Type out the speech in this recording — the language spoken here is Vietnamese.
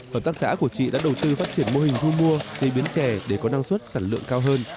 hợp tác xã của chị đã đầu tư phát triển mô hình thu mua chế biến chè để có năng suất sản lượng cao hơn